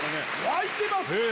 沸いてます！